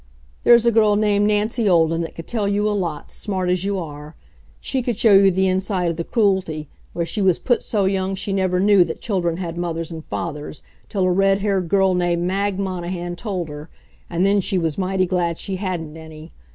"There's a girl named Nancy Olden that could tell you a lot, smart as you are. She could show you the inside of the Cruelty, where she was put so young she never knew that children had mothers and fathers, till a red haired girl named Mag Monahan told her; and then she was mighty glad she hadn't any.